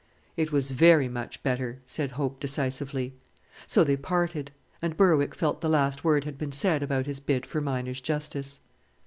"It was very much better," said Hope decisively. So they parted, and Berwick felt the last word had been said about his bid for miners' justice.